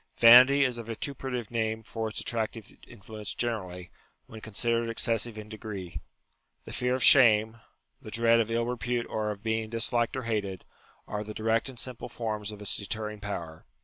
Vanity is a vituperative name for its attrac tive influence generally, when considered excessive in degree. The fear of shame, the dread of ill repute or of being disliked or hated, are the direct and simple forms of its deterring power.